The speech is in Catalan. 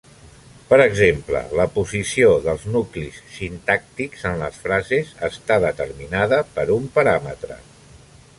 Per exemple, la posició dels nuclis sintàctics en les frases està determinada per un paràmetre.